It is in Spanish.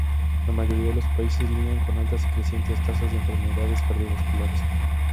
La mayoría de los países lidian con altas y crecientes tasas de enfermedades cardiovasculares.